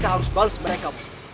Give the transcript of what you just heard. kita harus balas mereka mon